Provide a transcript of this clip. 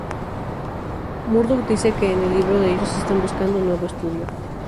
Murdoc dice que en el libro ellos están buscando un nuevo estudio.